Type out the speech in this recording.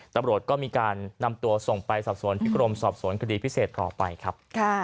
ตำรวจก็มีการนำตัวส่งไปสอบสวนที่กรมสอบสวนคดีพิเศษต่อไปครับ